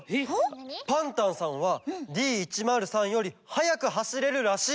「パンタンさんはＤ１０３よりはやくはしれるらしい」！